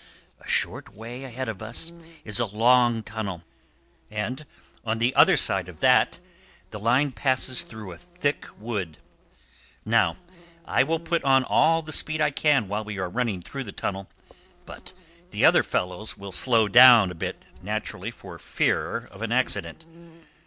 A short way ahead of us is a long tunnel, and on the other side of that the line passes through a thick wood. Now, I will put on all the speed I can while we are running through the tunnel, but the other fellows will slow down a bit, naturally, for fear of an accident.